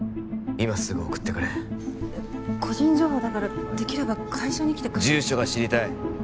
今すぐ送ってくれ個人情報だからできれば会社に来て住所が知りたい